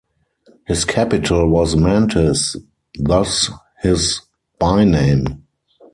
His capital was Mantes, thus his byname.